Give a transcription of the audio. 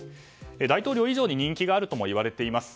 大統領以上に人気があるともいわれています。